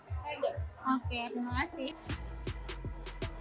oke terima kasih